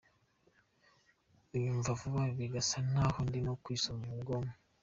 Unyumva vuba bigasa naho ndimo kwisoma mu bwoko.